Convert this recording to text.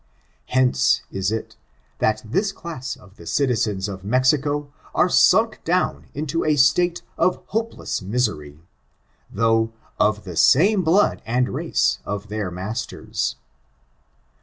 Hence is it that this class of the citizens of Mexico are sunk down into a state of hopeless misery, though of the same blood and race of their masters.